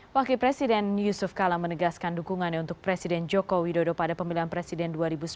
wakil presiden yusuf kala menegaskan dukungannya untuk presiden joko widodo pada pemilihan presiden dua ribu sembilan belas